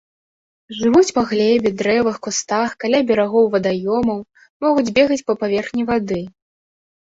Жывуць па глебе, дрэвах, кустах, каля берагоў вадаёмаў, могуць бегаць па паверхні вады.